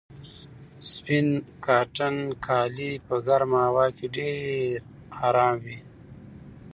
سپین کاټن کالي په ګرمه هوا کې ډېر ارام وي.